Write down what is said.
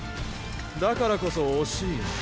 だからこそ惜しいよ。